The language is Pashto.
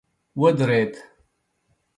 ودريد.